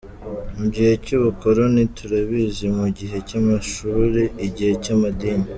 Mu gihe cy’ubukoloni, turabizi, mu gihe cy’amashuri, igihe cy’amadini.